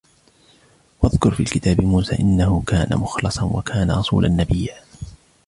وَاذْكُرْ فِي الْكِتَابِ مُوسَى إِنَّهُ كَانَ مُخْلَصًا وَكَانَ رَسُولًا نَبِيًّا